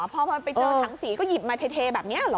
พอไปเจอถังสีก็หยิบมาเทแบบนี้เหรอ